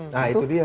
nah itu dia